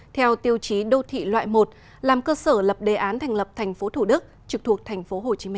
theo tiêu chí đô thị loại một làm cơ sở lập đề án thành lập tp thủ đức trực thuộc tp hcm